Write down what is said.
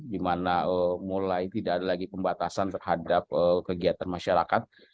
dimana mulai tidak ada lagi pembatasan terhadap kegiatan masyarakat